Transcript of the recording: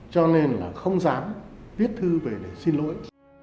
cho nên là không dám viết thư về để xin lỗi